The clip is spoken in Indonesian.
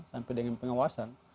sampai dengan pengawasan